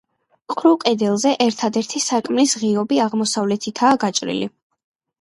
ყრუ კედელზე ერთადერთი სარკმლის ღიობი აღმოსავლეთითაა გაჭრილი.